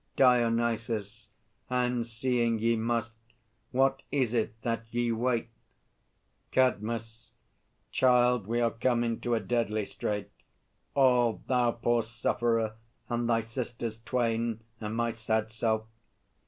DIONYSUS. And seeing ye must, what is it that ye wait? CADMUS. Child, we are come into a deadly strait, All; thou, poor sufferer, and thy sisters twain, And my sad self.